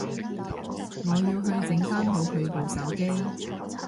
我要去整返好佢部手機